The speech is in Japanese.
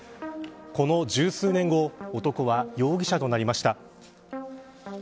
この十数年後男は容疑者となりました。